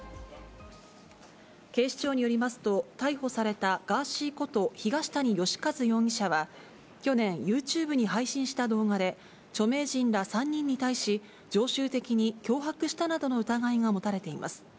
警視庁によりますと、逮捕された、ガーシーこと東谷義和容疑者は去年、ユーチューブに配信した動画で、著名人ら３人に対し、常習的に脅迫したなどの疑いが持たれています。